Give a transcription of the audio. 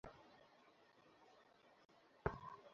আমি ইতিমধ্যে সংক্ষিপ্ত তালিকা করে ফেলেছি।